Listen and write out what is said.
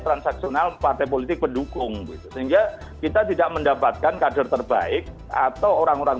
transaksional partai politik pendukung sehingga kita tidak mendapatkan kader terbaik atau orang orang